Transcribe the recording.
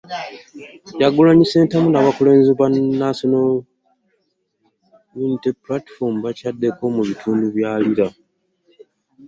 Kyagulanyi Ssentamu n'abakulembeze ba National Unity Platform bakyaddeko mu bitundu bya Lira.